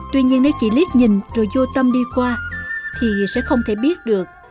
tuy nhiên nếu chỉ liếc nhìn rồi vô tâm đi qua thì sẽ không thể biết được